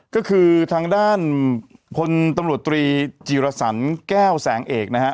ก็คือทางด้านพลตำรวจตรีจีรสันแก้วแสงเอกนะฮะ